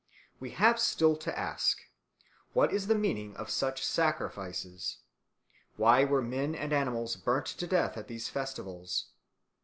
We have still to ask, What is the meaning of such sacrifices? Why were men and animals burnt to death at these festivals?